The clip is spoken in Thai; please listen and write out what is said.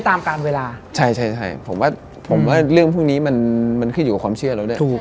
ที่มันไม่ค่อยดีอะ